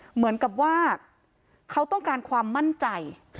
เหมือนกับว่าเขาต้องการความมั่นใจ